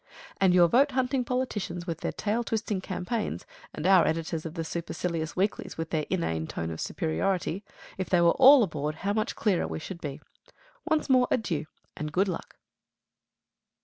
And your vote hunting politicians with their tail twisting campaigns, and our editors of the supercilious weeklies with their inane tone of superiority, if they were all aboard how much clearer we should be! Once more adieu, and good luck!